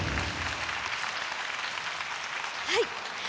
はい。